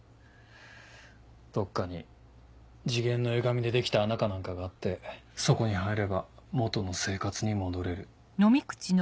どこかに次元の歪みで出来た穴か何かがあってそこに入れば元の生活に戻れる。